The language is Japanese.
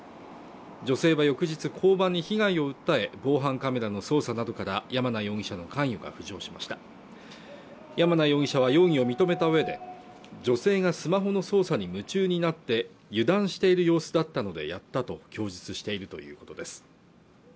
女性は翌日交番に被害を訴え防犯カメラの捜査などから山名容疑者の関与が浮上しました山名容疑者は容疑を認めた上で女性がスマホの操作に夢中になって油断している様子だったのでやったと供述しているということです